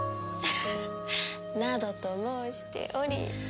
フフッなどと申しており。